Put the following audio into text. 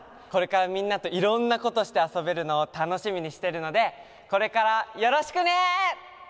これからみんなといろんなことしてあそべるのをたのしみにしてるのでこれからよろしくね！